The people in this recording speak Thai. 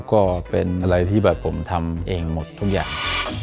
ก็เป็นอะไรที่แบบผมทำเองหมดทุกอย่าง